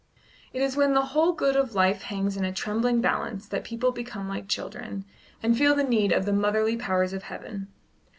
It is when the whole good of life hangs in a trembling balance that people become like children, and feel the need of the motherly powers of Heaven.